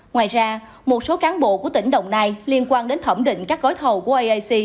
ngoài ra một số cán bộ của tỉnh đồng nai liên quan đến thẩm định các gói thầu của aic